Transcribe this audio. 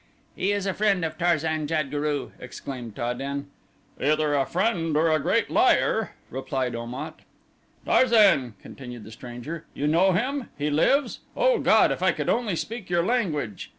"He is a friend of Tarzan jad guru," exclaimed Ta den. "Either a friend or a great liar," replied Om at. "Tarzan," continued the stranger, "you know him? He lives? O God, if I could only speak your language."